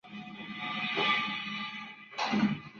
Tiene una larga experiencia como periodista e historiador.